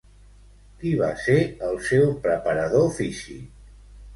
Qui va ser el seu preparador físic?